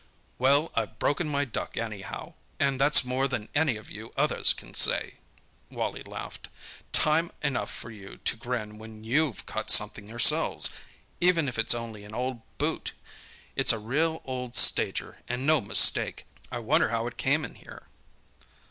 "Well, I've broken my duck, anyhow, and that's more than any of you others can say!" Wally laughed. "Time enough for you to grin when you've caught something yourselves—even if it's only an old boot! It's a real old stager and no mistake. I wonder how it came in here."